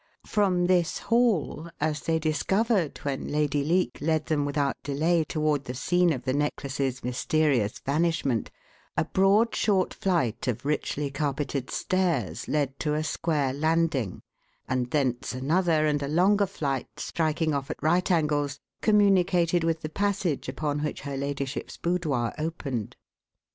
From this hall, as they discovered, when Lady Leake led them without delay toward the scene of the necklace's mysterious vanishment, a broad, short flight of richly carpeted stairs led to a square landing, and thence another and a longer flight, striking off at right angles, communicated with the passage upon which her ladyship's boudoir opened.